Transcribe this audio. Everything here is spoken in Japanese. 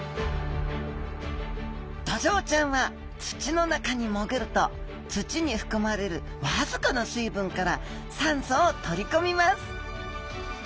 ドジョウちゃんは土の中に潜ると土に含まれる僅かな水分から酸素を取り込みます。